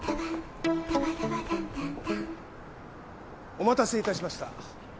お待たせいたしました。